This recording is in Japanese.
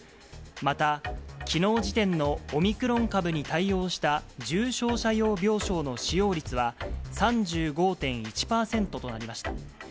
また、きのう時点のオミクロン株に対応した、重症者用病床の使用率は、３５．１％となりました。